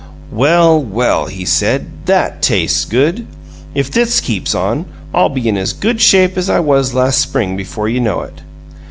"Well, well!" he said. "That tastes good! If this keeps on, I'll be in as good shape as I was last spring before you know it!"